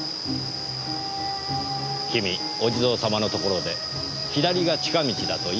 君お地蔵様のところで左が近道だと言いましたよね？